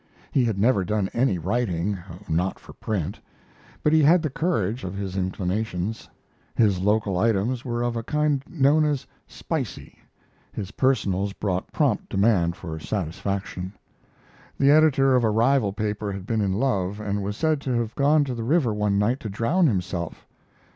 He had never done any writing not for print but he had the courage of his inclinations. His local items were of a kind known as "spicy"; his personals brought prompt demand for satisfaction. The editor of a rival paper had been in love, and was said to have gone to the river one night to drown himself.